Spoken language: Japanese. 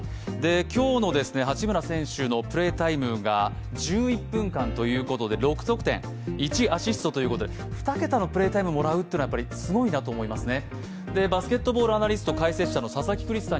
今日の八村選手のプレータイムが１１分間ということで６得点１アシストということで２桁のプレータイムをもらうことはやっぱりすごいなと思いますね。